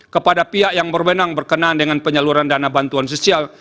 kepada pihak yang berbenang berkenaan dengan penyaluran dana bantuan sosial